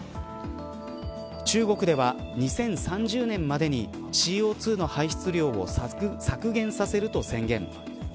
中国では２０３０年までにＣＯ２の排出量を削減させると宣言。